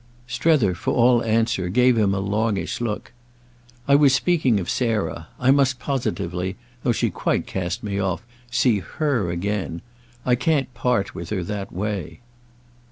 Strether, for all answer, gave him a longish look. "I was speaking of Sarah. I must positively—though she quite cast me off—see her again. I can't part with her that way."